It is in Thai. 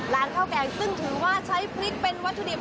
ข้าวแกงซึ่งถือว่าใช้พริกเป็นวัตถุดิบ